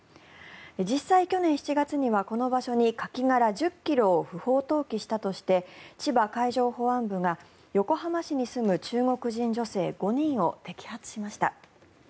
実際、去年７月にはこの場所にカキ殻１０ｋｇを不法投棄したとして千葉海上保安部が横浜市に住む中国人女性５人を摘発しました。